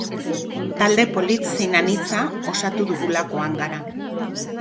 Talde polit zein anitza osatu dugulakoan gara.